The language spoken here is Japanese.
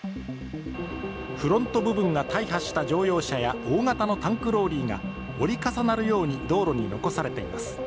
フロント部分が大破した乗用車や大型のタンクローリーが折り重なるように道路に残されています。